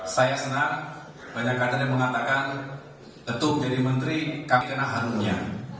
saya senang banyak kader yang mengatakan tentu menjadi menteri kami kena harunnya